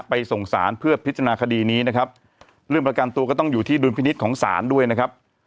ส่งสารเพื่อพิจารณาคดีนี้นะครับเรื่องประกันตัวก็ต้องอยู่ที่ดุลพินิษฐ์ของศาลด้วยนะครับ